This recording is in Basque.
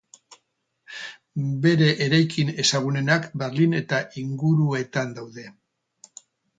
Bere eraikin ezagunenak Berlin eta inguruetan daude.